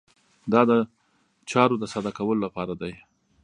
دا د چارو د ساده کولو لپاره دی.